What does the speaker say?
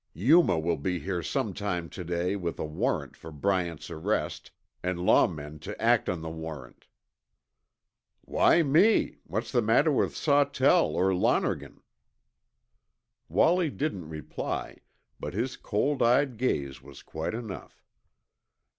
Yuma will be here some time today with a warrant for Bryant's arrest, an' law men to act on the warrant." "Why me? What's the matter with Sawtell or Lonergan?" Wallie didn't reply, but his cold eyed gaze was quite enough.